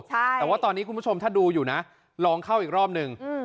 แต่ว่าตอนนี้คุณผู้ชมถ้าดูอยู่นะลองเข้าอีกรอบหนึ่ง